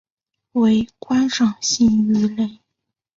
为观赏性鱼类。